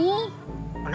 kenapa eros tidak kesini